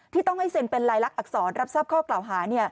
ต้องให้เซ็นเป็นลายลักษณอักษรรับทราบข้อกล่าวหา